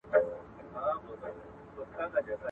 زه به سبا پوښتنه کوم!!